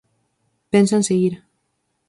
Pensan seguir.